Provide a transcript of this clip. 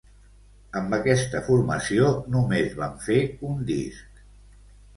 Amb aquesta formació només van fer un disc.